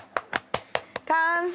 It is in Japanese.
完成！